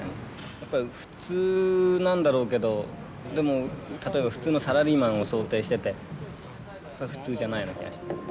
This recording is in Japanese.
やっぱり普通なんだろうけどでも例えば普通のサラリーマンを想定してて普通じゃないような気がした。